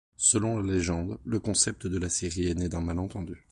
Selon la légende, le concept de la série est né d’un malentendu.